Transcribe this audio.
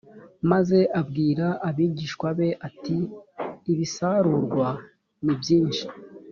maze abwira abigishwa be ati ibisarurwa nibyinshi